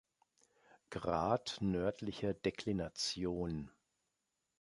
Grad nördlicher Deklination.